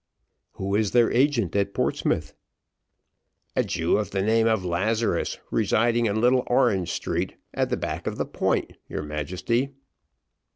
"Who is their agent at Portsmouth?" "A Jew of the name of Lazarus, residing in little Orange Street, at the back of the Point, your Majesty!"